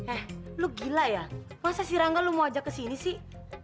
eh lo gila ya masa si rangga lo mau ajak kesini sih